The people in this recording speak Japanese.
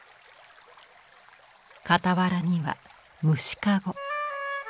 傍らには虫かご。